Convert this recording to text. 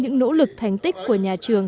những nỗ lực thành tích của nhà trường